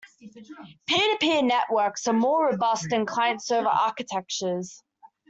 Peer-to-peer networks are more robust than client-server architectures.